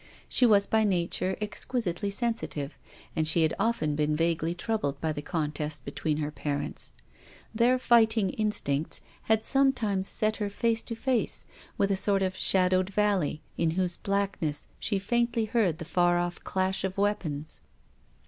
She was by nature exquisitely sensitive, and she had often been vaguely troubled by the contest between her parents. Their fight ing instfncts had sometimes set her face to face with a sort of shadowed valley, in whose black ness she faintly heard the far off clash of weapons.